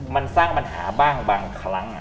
มันสร้างปัญหาบ้างบางครั้ง